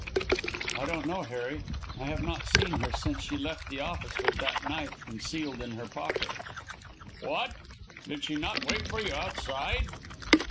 "I don't know, Harry. I have not seen her since she left the office with that knife concealed in her pocket." "What! Did she not wait for you outside?"